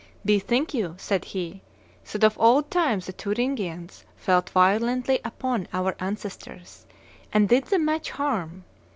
'Bethink you,' said he, that of old time the Thuringians fell violently upon our ancestors, and did them much harm.